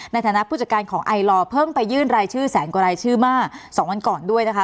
ในฐานะผู้จัดการของไอลอร์เพิ่งไปยื่นรายชื่อแสนกว่ารายชื่อเมื่อ๒วันก่อนด้วยนะคะ